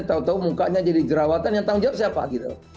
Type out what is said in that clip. tahu tahu mukanya jadi jerawatan yang tanggung jawab siapa gitu